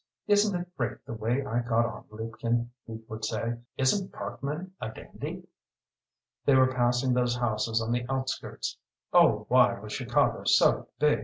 "Isn't it great the way I got on, liebchen?" he would say. "Isn't Parkman a dandy?" They were passing those houses on the outskirts. Oh why was Chicago so big!